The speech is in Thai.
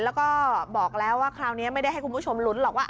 แล้วก็บอกแล้วว่าคราวนี้ไม่ได้ให้คุณผู้ชมลุ้นหรอกว่า